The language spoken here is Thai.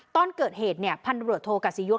ตอนเกิดเหตุเนี่ยพันธุรกิจโทกัศยุทธ์